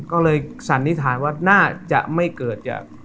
ก็เลยสันนิษฐานว่าน่าจะไม่เกิดจาก